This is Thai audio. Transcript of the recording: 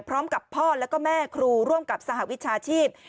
พร้อมกับพ่อแล้วก็แม่ครูร่วมกับสหวิชาชีพ